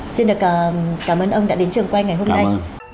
xin được cảm ơn ông đã đến trường quay ngày hôm nay